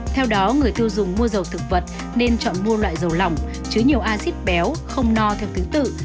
theo đó người tiêu dùng mua dầu thực vật nên chọn mua loại dầu lỏng chứa nhiều acid béo không no theo thứ tự